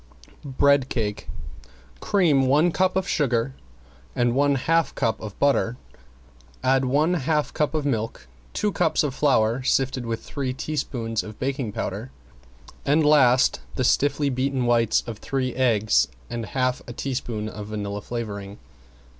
~BREAD CAKE ~Cream one cup of sugar and one half cup of butter, add one half cup of milk, two cups of flour sifted with three teaspoons of baking powder and last the stiffly beaten whites of three eggs and half a teaspoon of vanilla flavoring.